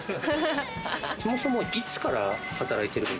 そもそもいつから働いてる？